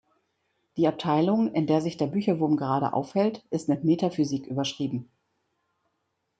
Die Abteilung, in der sich der Bücherwurm gerade aufhält, ist mit Metaphysik überschrieben.